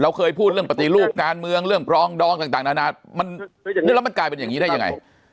เคยพูดเรื่องปฏิรูปการเมืองเรื่องปรองดองต่างนานามันแล้วมันกลายเป็นอย่างนี้ได้ยังไง